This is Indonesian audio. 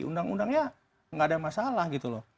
undang undangnya nggak ada masalah gitu loh